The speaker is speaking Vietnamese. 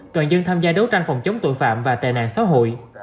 toàn dân tham gia đấu tranh phòng chống tội phạm và tệ nạn xã hội